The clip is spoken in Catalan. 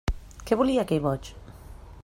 Què volia aquell boig?